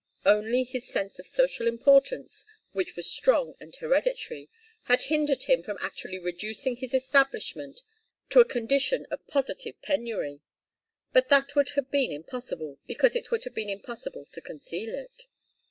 Only his sense of social importance, which was strong and hereditary, had hindered him from actually reducing his establishment to a condition of positive penury. But that would have been impossible, because it would have been impossible to conceal it.